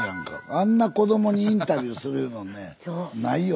あんな子どもにインタビューするいうのはねないよ